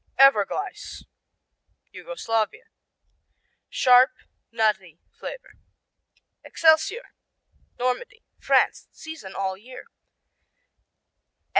Evarglice Yugoslavia Sharp, nutty flavor. Excelsior Normandy, France Season all year.